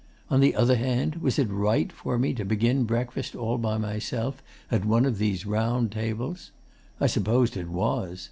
On the other hand, was it right for me to begin breakfast all by myself at one of these round tables? I supposed it was.